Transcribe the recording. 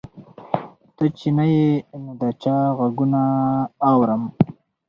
ته چې نه یې نو د چا غـــــــږونه اورم